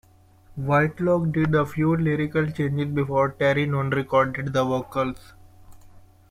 Whitlock did a few lyrical changes before Terri Nunn recorded the vocals.